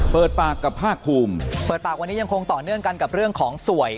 เปิดปากกับภาคภูมิเปิดปากวันนี้ยังคงต่อเนื่องกันกับเรื่องของสวย